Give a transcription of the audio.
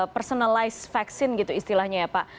personalized vaccine gitu istilahnya ya pak